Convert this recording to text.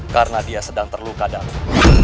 karena dia sedang terluka darah